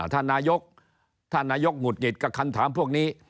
ท่านนายกถ้านายกหงุดหงิดกับคำถามพวกนี้